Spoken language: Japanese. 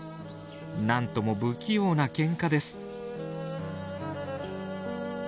なんとも不器用なケンカです。